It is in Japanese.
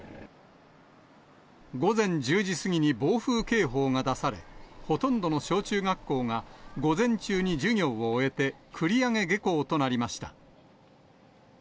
午前１０時過ぎに暴風警報が出され、ほとんどの小中学校が午前中に授業を終えて、繰り上げ下校となりました。